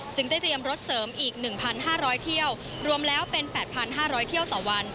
ได้เตรียมรถเสริมอีก๑๕๐๐เที่ยวรวมแล้วเป็น๘๕๐๐เที่ยวต่อวัน